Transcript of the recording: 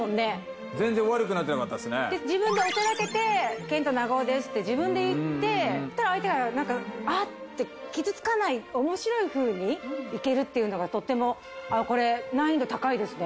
自分がおちゃらけて「ケントナガオです」って自分で言ってそしたら相手がなんか「あっ！」って傷つかない面白いふうにいけるっていうのがとてもこれ難易度高いですね。